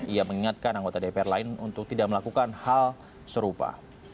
ia mengingatkan anggota dpr lain untuk tidak melakukan hal serupa